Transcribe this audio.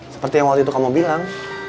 seperti yang waktu itu kamu bilang